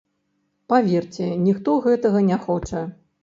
Паверце, ніхто гэтага не хоча.